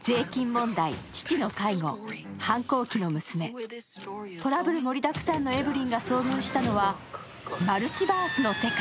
税金問題、父の介護、反抗期の娘、トラブル盛りだくさんのエヴリンが遭遇したのはマルチバースの世界。